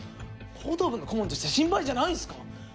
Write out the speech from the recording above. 報道部の顧問として心配じゃないんですか？